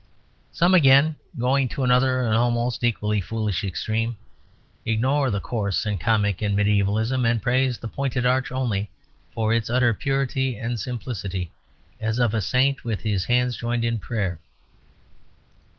Some again (going to another and almost equally foolish extreme) ignore the coarse and comic in mediævalism; and praise the pointed arch only for its utter purity and simplicity, as of a saint with his hands joined in prayer.